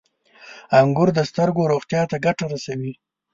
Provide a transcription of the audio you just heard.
• انګور د سترګو روغتیا ته ګټه رسوي.